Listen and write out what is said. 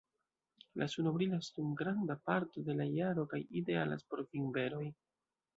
La suno brilas dum granda parto de la jaro kaj idealas por vinberoj.